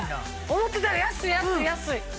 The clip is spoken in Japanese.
思ってたより安い安い安い。